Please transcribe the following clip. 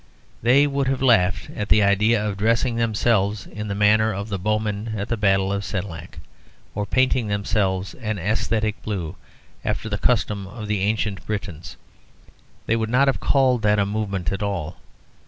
They would have laughed at the idea of dressing themselves in the manner of the bowmen at the battle of Senlac, or painting themselves an æsthetic blue, after the custom of the ancient Britons. They would not have called that a movement at all.